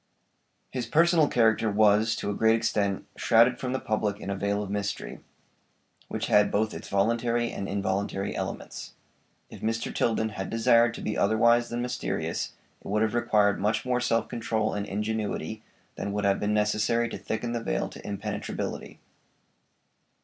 His personal character was, to a great extent, shrouded from the public in a veil of mystery, which had both its voluntary and involuntary elements. If Mr. Tilden had desired to be otherwise than mysterious it would have required much more self control and ingenuity than would have been necessary to thicken the veil to impenetrability.